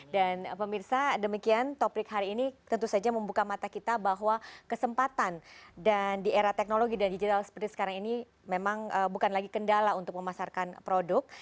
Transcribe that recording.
dan pemirsa demikian topik hari ini tentu saja membuka mata kita bahwa kesempatan dan di era teknologi dan digital seperti sekarang ini memang bukan lagi kendala untuk memasarkan produk produk